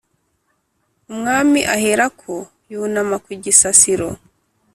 Umwami aherako yunama ku gisasiro